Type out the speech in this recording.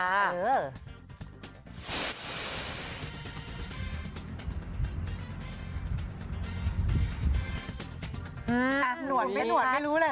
อ่าหนวดไม่หนวดไม่รู้แหละ